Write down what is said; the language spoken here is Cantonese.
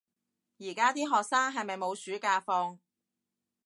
而家啲學生係咪冇暑假放